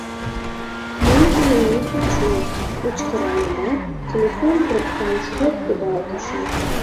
— Мый тыйым не хочу! — кычкыральымат, телефон трубкам шроп кудалтышым.